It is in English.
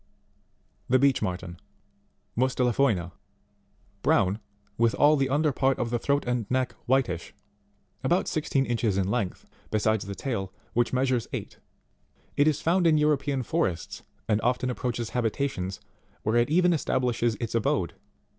25. The Beech Marten, Mmtela Foina (Plate 2, fig. 16.) brown, with all the under part of the throat and neck whitish, about sixteen inches in length, besides the tail which measures eight. It is found in European forests, and often approaches habitations, where it even establishes its abode.